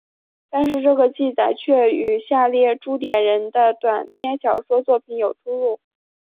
但这个记载却与下列朱点人的短篇小说作品有出入。